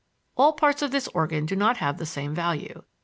All parts of this organ do not have the same value.